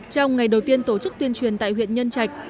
trong ngày đầu tiên tổ chức tuyên truyền tại huyện nhân trạch